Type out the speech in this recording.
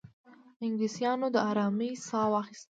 انګلیسیانو د آرامۍ ساه وایستله.